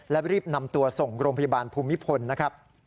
และรีบนำตัวส่งโรงพยาบาลภูมิพลนะครับ